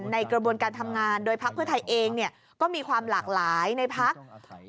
ในกระบวนการทำงานโดยพักเพื่อไทยเองก็มีความหลากหลายในพัก